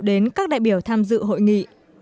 đến các đại biểu tham dự hội nghị